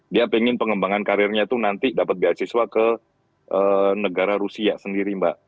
dia pengen pengembangan karirnya itu nanti dapat beasiswa ke negara rusia sendiri mbak